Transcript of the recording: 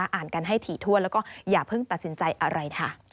อ่านกันให้ถี่ถ้วนแล้วก็อย่าเพิ่งตัดสินใจอะไรค่ะ